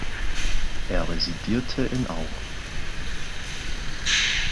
Er residierte in Auch.